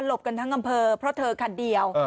กันทั้งอำเภอเพราะเธอคันเดียว